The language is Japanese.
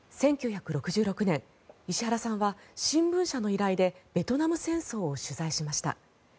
１９６６年石原さんは新聞社の依頼でベトナム戦争を取材しました。